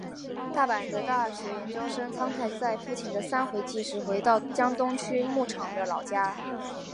大阪的大学研究生苍太在父亲的三回忌时回到江东区木场的老家。